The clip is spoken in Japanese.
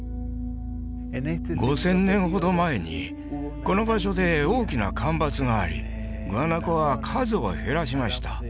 ５０００年ほど前にこの場所で大きな干ばつがありグアナコは数を減らしました